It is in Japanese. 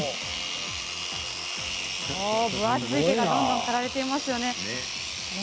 分厚い毛がどんどん刈られていますよね。